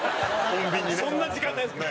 和田：そんな時間ないですから。